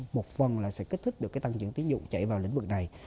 một phần sẽ kích thích được tăng trưởng tính dụng chạy vào lĩnh vực này